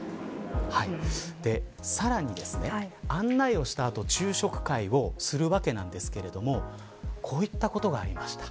さらに、案内をしたあと昼食会をするわけなんですがこういったことがありました。